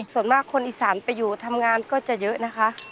ส่วนมากคนอีสานไปอยู่ทำงานก็จะเยอะนะคะ